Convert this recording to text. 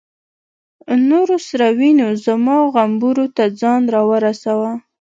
نورو سرو وینو زما غومبورو ته ځان را ورساوه.